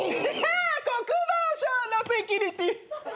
国防省のセキュリティー！